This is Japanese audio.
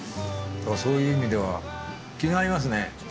そういう意味では気が合いますね。